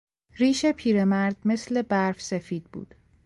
ریش پیرمرد مثل برف سفید بود.